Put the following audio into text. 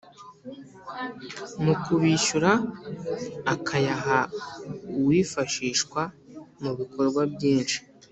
Mu kubishyura akayaha uwifashishwa mu bikorwa byinshi